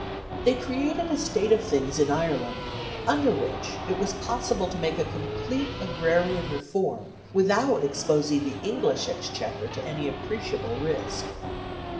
They created a state of things in Ireland under which it was possible to make a complete agrarian reform without exposing the English Exchequer to any appreciable risk.